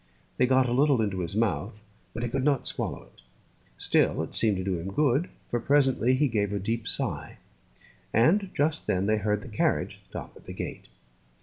They got a little into his mouth, but he could not swallow it. Still it seemed to do him good, for presently he gave a deep sigh; and just then they heard the carriage stop at the gate.